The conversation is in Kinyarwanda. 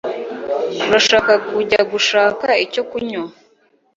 urashaka kujya gushaka icyo kunywa